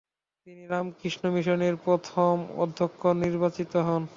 তিনি রামকৃষ্ণ মিশনের প্রথম অধ্যক্ষ নির্বাচিত হন।